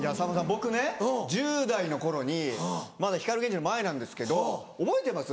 僕ね１０代の頃にまだ光ＧＥＮＪＩの前なんですけど覚えてます？